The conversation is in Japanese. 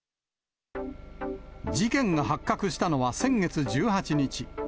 事件が発覚したのは先月１８日。